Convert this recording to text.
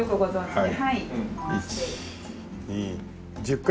はい。